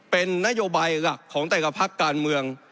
เป็นนโยบายของแต่กับภาคการเมือง